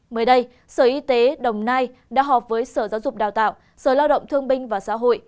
mới đây sở y tế đồng nai đã họp với sở giáo dục đào tạo sở lao động thương binh và xã hội